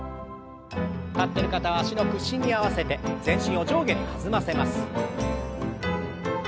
立ってる方は脚の屈伸に合わせて全身を上下に弾ませます。